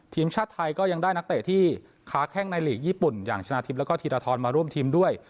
ทีมชาติไทยก็ยังได้นักเตะที่ค้าแข้งในหลีกญี่ปุ่นอย่างชนะทิพย์แล้วก็ธีรทรมาร่วมทีมด้วย